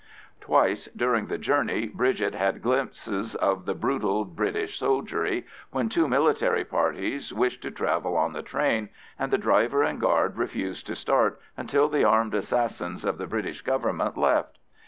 Twice during the journey Bridget had glimpses of the brutal British soldiery when two military parties wished to travel on the train, and the driver and guard refused to start until the armed assassins of the British Government left.